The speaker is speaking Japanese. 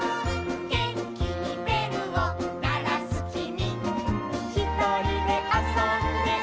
「げんきにべるをならすきみ」「ひとりであそんでいたぼくは」